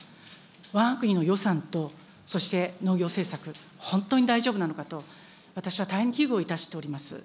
わが国の予算と、そして農業政策、本当に大丈夫なのかと、私は大変危惧をいたしております。